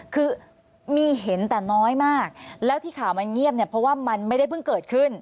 คือมีเห็นแต่น้อยมากแล้วที่ข่าวมันเงียบเนี่ยเพราะว่ามันไม่ได้เพิ่งเกิดขึ้น